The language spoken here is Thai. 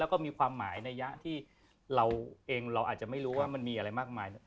แล้วก็มีความหมายในยะที่เราเองเราอาจจะไม่รู้ว่ามันมีอะไรมากมาย